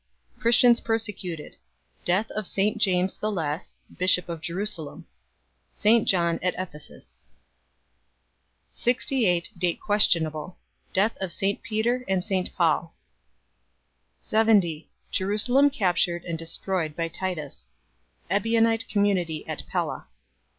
Christians persecuted. Death of St James the Less, Bishop of Jerusalem. St John at Ephesus. 68 ? Death of St Peter and St Paul. 70 Jerusalem captured and destroyed by Titus. Ebionite community at Pella.